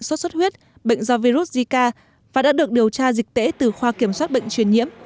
sốt xuất huyết bệnh do virus zika và đã được điều tra dịch tễ từ khoa kiểm soát bệnh truyền nhiễm